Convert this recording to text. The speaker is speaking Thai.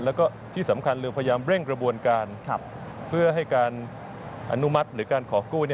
แล้วก็ที่สำคัญเรือพยายามเร่งกระบวนการเพื่อให้การอนุมัติหรือการขอกู้